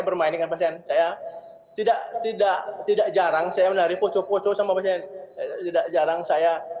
bermain dengan pasien saya tidak tidak tidak jarang saya menari poco poco sama pasien tidak jarang saya